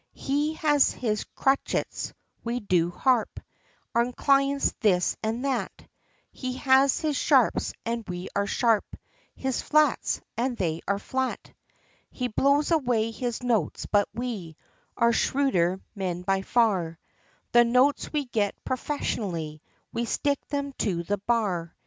He has his crotchets; we do harp, On clients, this, and that, He has his sharps, and we are sharp, His flats, and they are flat; He blows away his notes, but we, Are shrewder men by far, The notes we get professionly, We stick them to the Bar!